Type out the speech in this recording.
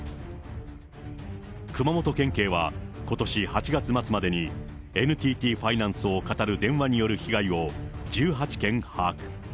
熊本県警はことし８月末までに、ＮＴＴファイナンスをかたる電話による被害を１８件把握。